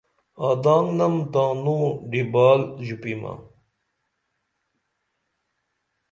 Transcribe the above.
آدانگنم تانوں ڈیبال ژوپیمہ